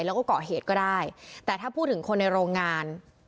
แล้วก็เกาะเหตุก็ได้แต่ถ้าพูดถึงคนในโรงงาน